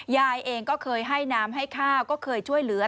ยายเองก็เคยให้น้ำให้ข้าวก็เคยช่วยเหลือ